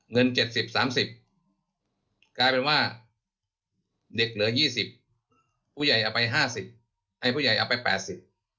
เงิน๗๐๓๐กลายเป็นว่าเด็กเหลือ๒๐ผู้ใหญ่เอาไป๕๐ให้ผู้ใหญ่เอาไป๘๐